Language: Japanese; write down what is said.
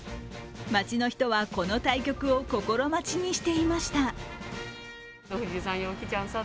町の人はこの対局を心待ちにしていました。